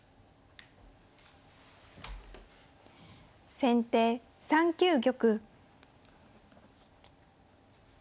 先手３九玉。